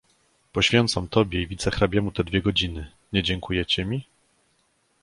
"Poświęcam tobie i wicehrabiemu te dwie godziny: nie dziękujecie mi?"